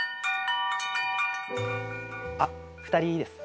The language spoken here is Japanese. あっ２人です。